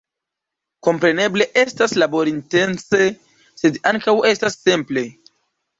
Kompreneble estas laborintense, sed ankaŭ estas simple.